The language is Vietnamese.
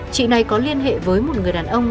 chị này có liên hệ với một người đàn ông